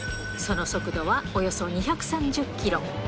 その速度はおよそ２３０キロ。